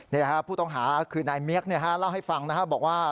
นี่แหละครับผู้ต้องหาคือนายเมียกเล่าให้ฟังนะครับบอกว่า